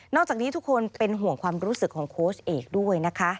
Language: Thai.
จากนี้ทุกคนเป็นห่วงความรู้สึกของโค้ชเอกด้วยนะคะ